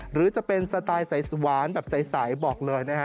หรือจะเป็นสไตล์ใสหวานแบบใสบอกเลยนะฮะ